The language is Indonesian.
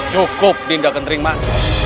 cukup dindakan riman